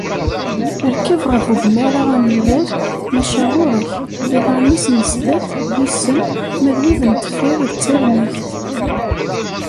Rkeb ɣef ugmar-a amellal, maca ɣurek! Iḍarren-is n sdat d usem ma d wid n deffir d tirmegt.